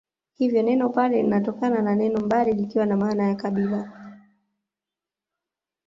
Hivyo neno Pare linatokana na neno mbare likiwa na maana ya kabila